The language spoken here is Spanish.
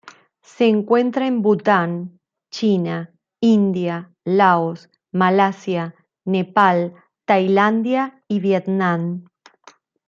Se encuentra en Bután, China, India, Laos, Malasia, Nepal, Tailandia y Vietnam.